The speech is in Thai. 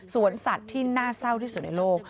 สวนสัตว์ที่น่าเศร้าที่สุดในโลก